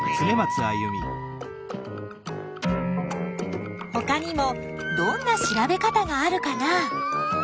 ほかにもどんな調べ方があるかな？